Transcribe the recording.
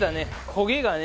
焦げがね